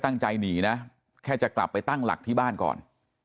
ตั้งใจหนีนะแค่จะกลับไปตั้งหลักที่บ้านก่อน